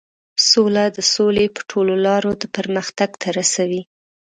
سوله د سولې په ټولو لارو د پرمختګ ته رسوي.